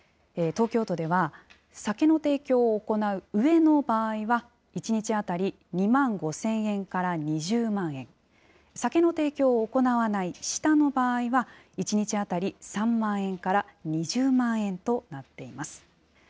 東京都では、酒の提供を行う上の場合は、１日当たり２万５０００円から２０万円、酒の提供を行わない下の場合は、１日当たり３万円から２０万円となっています。